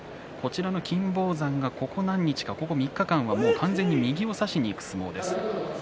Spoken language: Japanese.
金峰山がここ何日か、３日間は完全に右を差しにいく相撲です。